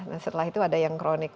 nah setelah itu ada yang kronik